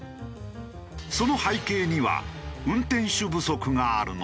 その背景には運転手不足があるのだ。